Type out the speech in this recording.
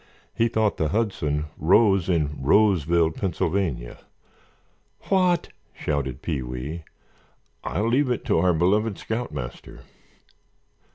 He thought the Hudson rose in Roseville, Pennsylvania." "What!" shouted Pee wee. "I'll leave it to our beloved scoutmaster."